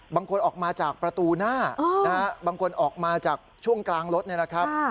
ออกมาจากประตูหน้าบางคนออกมาจากช่วงกลางรถเนี่ยนะครับ